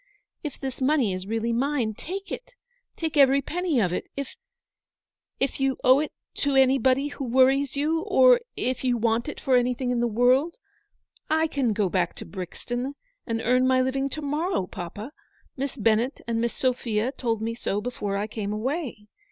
If this money is really mine, take it, take every penny of it ; if — if — you owe it to any 74 Eleanor's victory. body who worries you ; or if you want it for any thing in the world. I can go back to Brixton and earn my living to morrow, papa. Miss Bennett and Miss Sophia told me so before I came away.